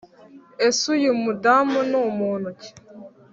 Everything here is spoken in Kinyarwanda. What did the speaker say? Ese uyu mudamu ni umuntu iki?